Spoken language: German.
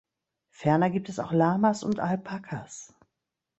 Ferner gibt es auch Lamas und Alpakas.